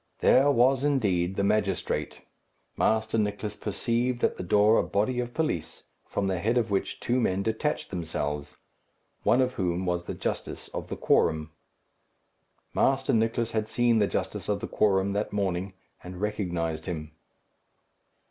There was, indeed, the magistrate. Master Nicless perceived at the door a body of police, from the head of which two men detached themselves, one of whom was the justice of the quorum. Master Nicless had seen the justice of the quorum that morning, and recognized him.